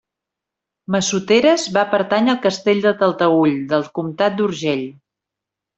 Massoteres va pertànyer al castell de Talteüll, del comtat d'Urgell.